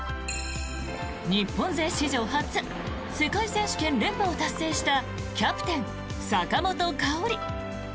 日本勢史上初世界選手権連覇を達成したキャプテン、坂本花織！